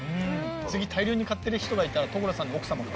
次大量に買ってる人がいたら所さんの奥さまかも。